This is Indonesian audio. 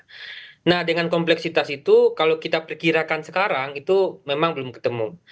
karena dengan kompleksitas itu kalau kita perkirakan sekarang itu memang belum ketemu